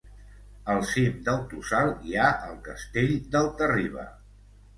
Al cim del tossal hi ha el Castell d'Alta-riba.